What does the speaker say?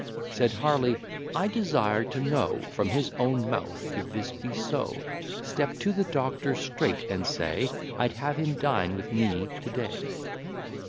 Said Harley, "I desire to know From his own mouth, if this be so: Step to the doctor straight, and say, I'd have him dine with me to day."